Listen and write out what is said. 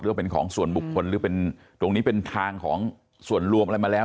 ว่าเป็นของส่วนบุคคลหรือเป็นตรงนี้เป็นทางของส่วนรวมอะไรมาแล้ว